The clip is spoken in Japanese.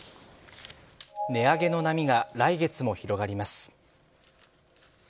値上げの波が来月も広がります。